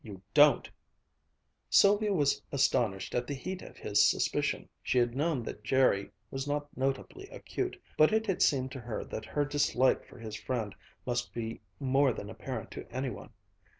You don't!" Sylvia was astonished at the heat of his suspicion. She had known that Jerry was not notably acute, but it had seemed to her that her dislike for his friend must be more than apparent to any one.